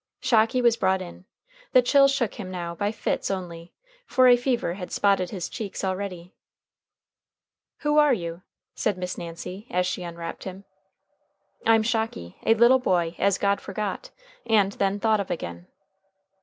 Shocky was brought in. The chill shook him now by fits only, for a fever had spotted his cheeks already. "Who are you?" said Miss Nancy, as she unwrapped him. "I'm Shocky, a little boy as God forgot, and then thought of again."